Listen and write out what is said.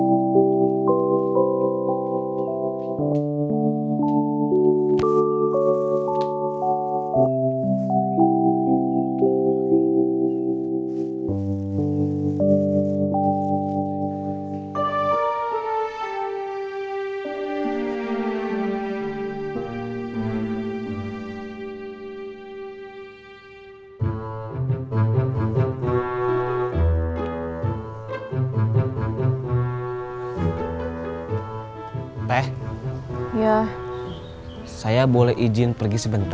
apakah kamu greenshirt dan mengisi ubat